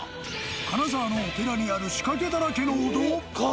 金沢のお寺にある仕掛けだらけのお堂。